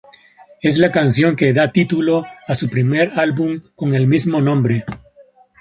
Es la canción que da título a su primer álbum con el mismo nombre.